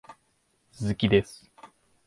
鈴木です